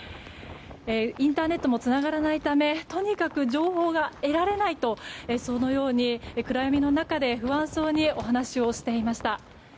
インターネットもつながらないためとにかく情報が得られないとそのように暗闇の中で不安そうにお話をしていました。